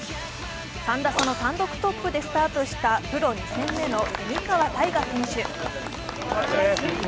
３打差の単独トップでスタートしたプロ２戦目の蝉川泰果選手。